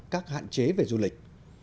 các hạn chế về du lịch